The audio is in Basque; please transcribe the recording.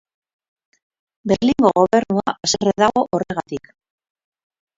Berlingo gobernua haserre dago horregatik.